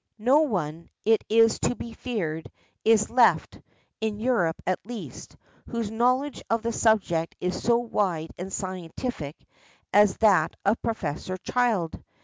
No one, it is to be feared, is left, in Europe at least, whose knowledge of the subject is so wide and scientific as that of Professor Child.